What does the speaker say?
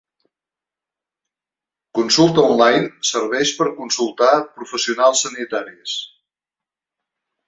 “Consulta online” serveix per a consultar professionals sanitaris.